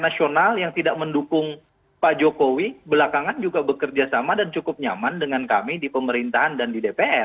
nasional yang tidak mendukung pak jokowi belakangan juga bekerja sama dan cukup nyaman dengan kami di pemerintahan dan di dpr